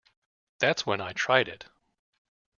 That's when I tried it.